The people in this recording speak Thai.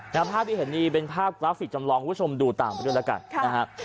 ภาพที่เห็นนี่เป็นภาพกราฟิกจำลองคุณผู้ชมดูตามไปด้วยแล้วกันนะฮะ